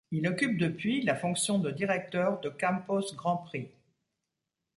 Il occupe depuis la fonction de directeur de Campos Grand Prix.